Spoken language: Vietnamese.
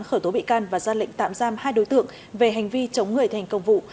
khởi tố bị can và ra lệnh tạm giam hai đối tượng về hành vi chống người thành công vụ